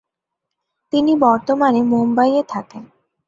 তিনি বর্তমানে মুম্বাইয়ে থাকেন।